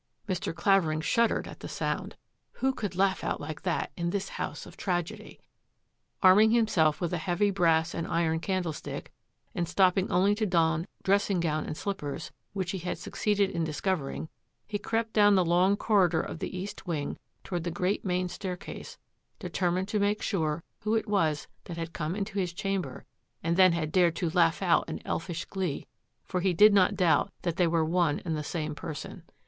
Mr. Clavering shuddered at the sound. Who could laugh out like that in this house of tragedy? Arming himself with a heavy brass and iron candlestick, and stopping only to don dressing gown and slippers, which he had succeeded in dis covering, he crept down the long corridor of the east wing toward the great main staircase, deter mined to make sure who it was that had come into his chamber and then had dared to laugh out in elfish glee, for he did not doubt that they were one and the same person.